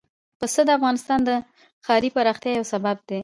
پسه د افغانستان د ښاري پراختیا یو سبب دی.